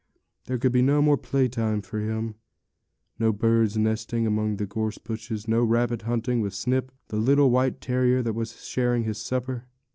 There could be no more play time for him; no bird's nesting among the gorse bushes; no rabbit bunting with Snip, the little white terrier that was sharing his supper.